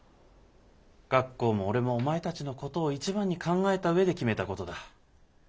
学校も俺もお前たちのことを一番に考えた上で決めたことだ。